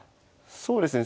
そうですね